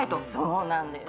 そうなんです。